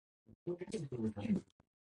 君のあげたいけれどあげたくないから渡さない